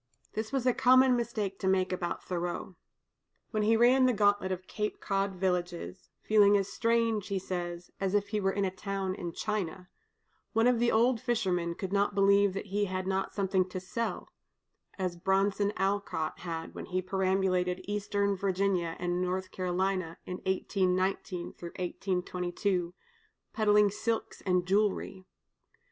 This was a common mistake to make about Thoreau. When he ran the gauntlet of the Cape Cod villages, "feeling as strange," he says, "as if he were in a town in China," one of the old fishermen could not believe that he had not something to sell, as Bronson Alcott had when he perambulated Eastern Virginia and North Carolina in 1819 22, peddling silks and jewelry.